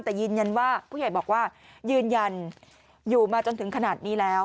แต่ยืนยันว่าผู้ใหญ่บอกว่ายืนยันอยู่มาจนถึงขนาดนี้แล้ว